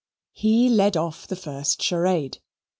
He led off the first charade.